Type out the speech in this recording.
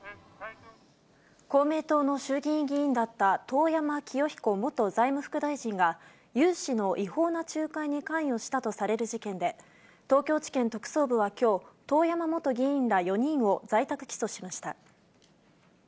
公明党の衆議院議員だった遠山清彦元財務副大臣が、融資の違法な仲介に関与したとされる事件で、東京地検特捜部はきょう、遠山元議員ら４人を在宅起訴しました。